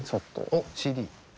おっＣＤ。